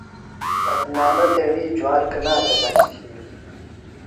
عدنانہ تیݨی جُوار کنا تھےۡ بچ تِھیلیۡ؟